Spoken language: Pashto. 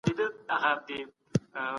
د څېړني لاره ډېره اوږده ده.